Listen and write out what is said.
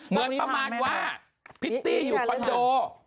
เหมือนประมาณว่าพิตตี้อยู่คอนโด